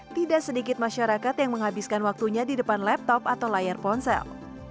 tidak sedikit masyarakat yang menghabiskan waktunya di depan laptop atau layar ponsel